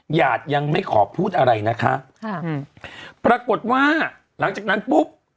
หยาดยังไม่ขอพูดอะไรนะคะค่ะอืมปรากฏว่าหลังจากนั้นปุ๊บ